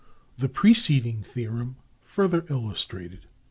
The preceding Theorem further illustrated.